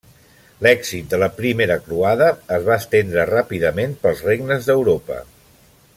L'èxit de la Primera Croada es va estendre ràpidament pels regnes d'Europa.